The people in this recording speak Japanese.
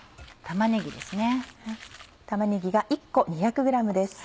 玉ねぎが１個２００ｇです。